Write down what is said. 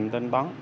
hai mươi tấn tấn